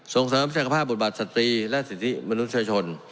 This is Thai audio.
ส่งเสริมศักภาพบทบาทสตรีและสิทธิมนุษยชน